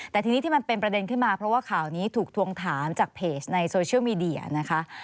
แต่ทีนี้ที่มันเป็นประเด็นขึ้นมาเพราะว่าข่าวนี้ถูกทวงถามจากเพจในโซเชียลมีเดียนะคะ